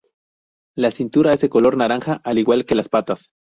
La cintura es de color naranja al igual que las patas.